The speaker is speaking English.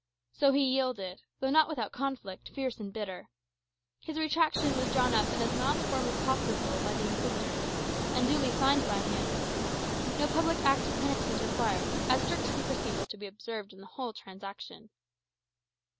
So he yielded, though not without conflict, fierce and bitter. His retractation was drawn up in as mild a form as possible by the Inquisitors, and duly signed by him. No public act of penance was required, as strict secrecy was to be observed in the whole transaction.